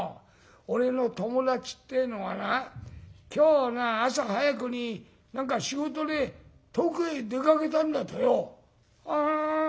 俺の友達ってえのがな今日の朝早くに何か仕事で遠くへ出かけたんだとよ」。